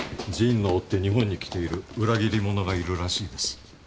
神野を追って日本に来ている裏切り者がいるらしいです。